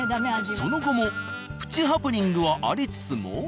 その後もプチハプニングはありつつも。